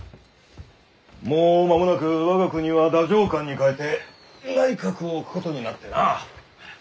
もう間もなく我が国は太政官に代えて内閣を置くことになってなあ。